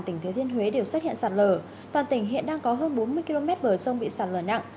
tỉnh thứ thiên huế đều xuất hiện sạt lở toàn tỉnh hiện đang có hơn bốn mươi km bờ sông bị sạt lở nặng